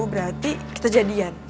berarti kita jadian